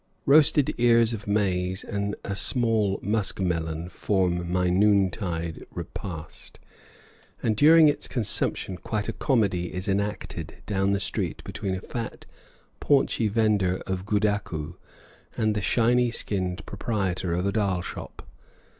Roasted ears of maize and a small muskmelon form my noontide repast, and during its consumption quite a comedy is enacted down the street between a fat, paunchy vender of goodakoo and the shiny skinned proprietor of a dhal shop.